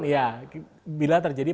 ya bila terjadi